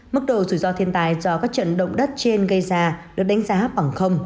mức độ rủi ro thiên tai do các trận động đất trên gây ra được đánh giá bằng